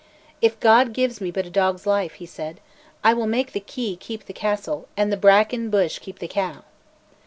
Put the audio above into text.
"If God gives me but a dog's life," he said, "I will make the key keep the castle and the bracken bush keep the cow."